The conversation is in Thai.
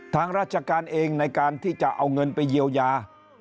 ทางราชการเองในการที่จะเอาเงินไปเยียวยา